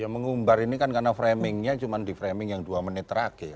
mengumbar ini kan karena framingnya cuma di framing yang dua menit terakhir